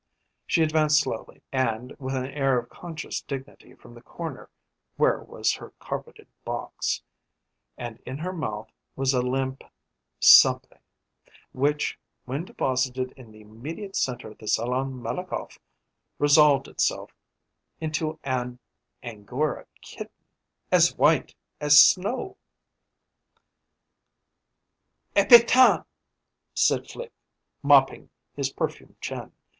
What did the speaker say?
She advanced slowly and with an air of conscious dignity from the corner where was her carpeted box, and in her mouth was a limp something, which, when deposited in the immediate centre of the Salon Malakoff, resolved itself into an angora kitten, as white as snow! "Epatant!" said Flique, mopping his perfumed chin.